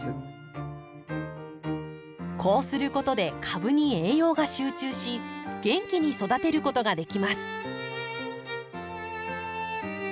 こうすることで株に栄養が集中し元気に育てることができます。